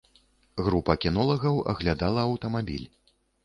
Група кінолагаў аглядала аўтамабіль.